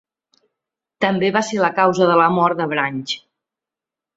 També va ser la causa de la mort de Branch.